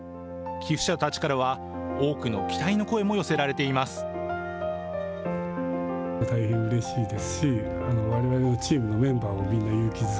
寄付者たちからは、多くの期待の声も寄せられています。